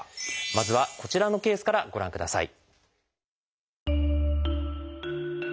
まずはこちらのケースからご覧ください。